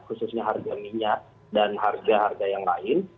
khususnya harga minyak dan harga harga yang lain